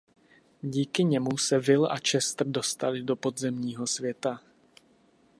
Díky němu se Will a Chester dostali do podzemního světa.